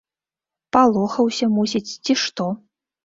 Палохаўся, мусіць, ці што.